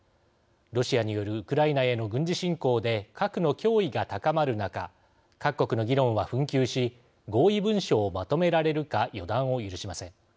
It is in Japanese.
ロシアによるウクライナへの軍事侵攻で核の脅威が高まる中各国の議論は紛糾し合意文書をまとめられるか予断を許しません。